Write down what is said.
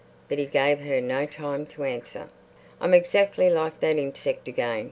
But he gave her no time to answer. "I'm exactly like that insect again.